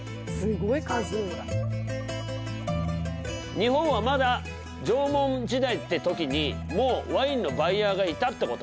日本はまだ縄文時代って時にもう「ワインのバイヤー」がいたってこと。